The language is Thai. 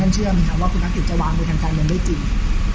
ท่านเชื่อมั้ยคะว่าคุณทักษิตจะวางมือทางการเมืองได้จริง